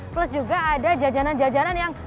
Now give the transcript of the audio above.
plus juga ada jajanan jajanan yang